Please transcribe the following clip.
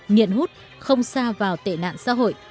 nghiện hút không xa vào tệ nạn xã hội